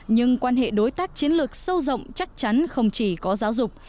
nhưng quan hệ đối tác chiến lược sâu rộng chắc chắn không chỉ có giáo dục